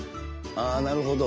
なるほど。